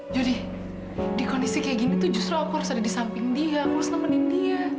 judi di kondisi kayak gini tuh justru aku harus ada di samping dia aku harus nemenin dia